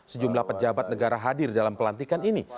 sejumlah pejabat negara hadir dalam pelantikan ini